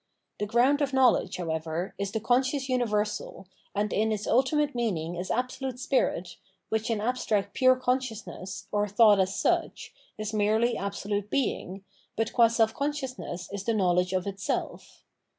The ground of knowledge, however, is the con scious universal, and in its ultimate meaning is absolute spirit, which in abstract pure consciousness, or thought as such, is merely absolute Being, but gua self conscious ness is the knowledge of itself.